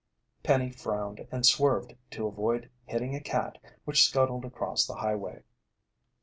Penny frowned and swerved to avoid hitting a cat which scuttled across the highway.